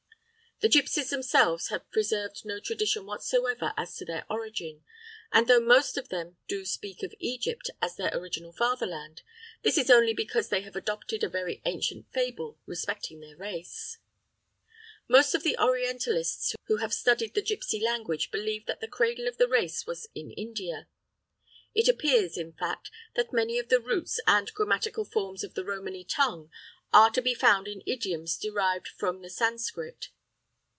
The gipsies themselves have preserved no tradition whatsoever as to their origin, and though most of them do speak of Egypt as their original fatherland, that is only because they have adopted a very ancient fable respecting their race. Most of the Orientalists who have studied the gipsy language believe that the cradle of the race was in India. It appears, in fact, that many of the roots and grammatical forms of the Romany tongue are to be found in idioms derived from the Sanskrit.